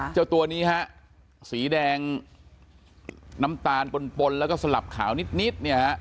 เจ้าตัวนี้ฮะสีแดงน้ำตาลปลนแล้วก็สลับขาวนิด